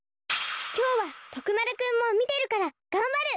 きょうはとくまるくんもみてるからがんばる！